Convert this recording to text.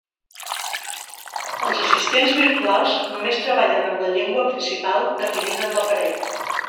Els assistents virtuals només treballen amb la llengua principal definida en l'aparell.